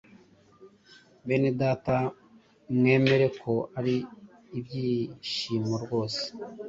"Benedata, mwemere ko ari iby’ibyishimo rwose